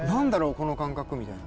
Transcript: この感覚？みたいな。